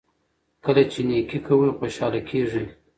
کله چې نیکي کوئ خوشحاله کیږئ.